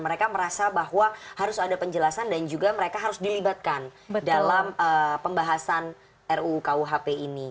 mereka merasa bahwa harus ada penjelasan dan juga mereka harus dilibatkan dalam pembahasan ruu kuhp ini